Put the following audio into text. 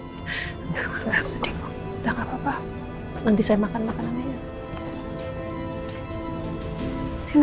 jangan jangan sedih bu nggak apa apa nanti saya makan makan sama ibu